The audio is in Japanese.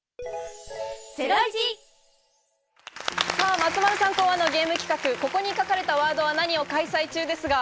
松丸さん考案のゲーム企画「ここに書かれたワードは何？」を開催中です。